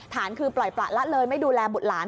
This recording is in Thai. ฐานคือปล่อยประละเลยไม่ดูแลบุตรหลาน